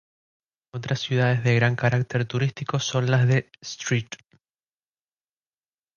Otras ciudades de gran carácter turístico son las de St.